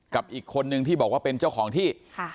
กับอีกคนนึงที่บอกว่าเป็นเจ้าของที่